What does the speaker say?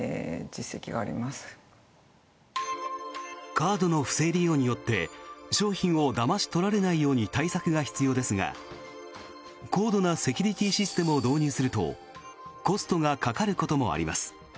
カードの不正利用によって商品をだまし取られないように対策が必要ですが高度なセキュリティーシステムを導入するとコストがかかることもあります。